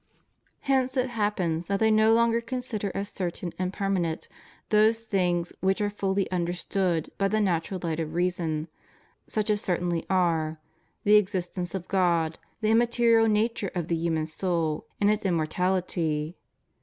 Hence it happens that they no longer consider as certain and permanent those things which are fully understood by the natural Ught of reason, such as certainly are — the existence of God, the immaterial nature of the human soul, and its immortality.